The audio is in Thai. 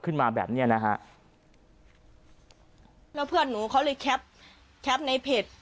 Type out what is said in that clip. ขึ้นมาแบบเนี้ยนะฮะแล้วเพื่อนหนูเขาเลยแคปแคปในเพจ